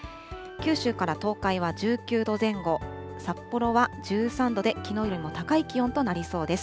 九州から東海は１９度前後、札幌は１３度で、きのうよりも高い気温となりそうです。